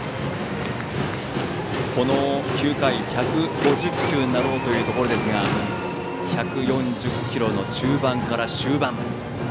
この９回、１５０球になろうかというところですが１４０キロの中盤から終盤。